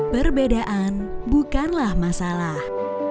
perbedaan bukanlah masalah